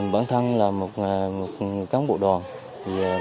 vẫn thăng là một cán bộ đoàn